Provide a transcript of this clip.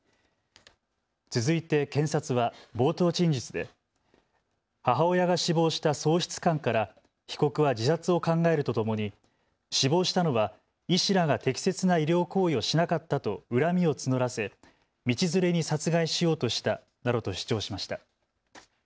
続いて検察は冒頭陳述で母親が死亡した喪失感から被告は自殺を考えるとともに死亡したのは医師らが適切な医療行為をしなかったと恨みを募らせ道連れに殺害しようとしたなどと主張しました。